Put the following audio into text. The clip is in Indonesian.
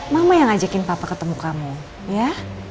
mama yang ngajakin papa ketemu kamu ya